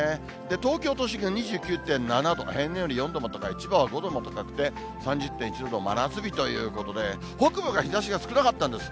東京都心が２９．７度と、平年より４度も高い、千葉は５度も高くて、３０．１度の真夏日ということで、北部が日ざしが少なかったんです。